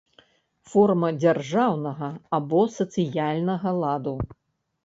Форма дзяржаўнага або сацыяльнага ладу.